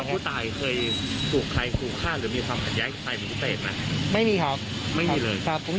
พี่เขาเองบ้าง